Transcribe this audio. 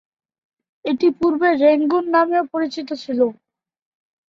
এটি পূর্বে রেঙ্গুন নামেও পরিচিত ছিলো।